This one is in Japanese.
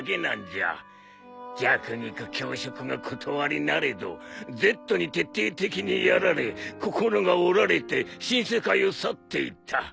弱肉強食がことわりなれどＺに徹底的にやられ心が折られて新世界を去っていった。